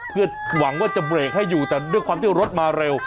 เพื่อหวังว่าจะเบรกให้อยู่แต่ด้วยความที่รถมาเร็ว